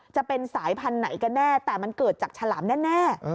จะเป็นสายพันธุ์ไหนกันแน่แต่มันเกิดจากฉลามแน่